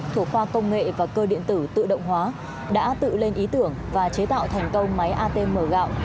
thuộc khoa công nghệ và cơ điện tử tự động hóa đã tự lên ý tưởng và chế tạo thành công máy atm gạo